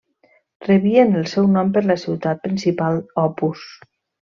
Rebien el seu nom per la ciutat principal Opus.